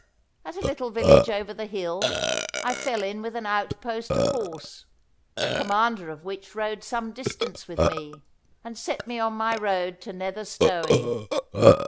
At a little village over the hill I fell in with an outpost of horse, the commander of which rode some distance with me, and set me on my road to Nether Stowey.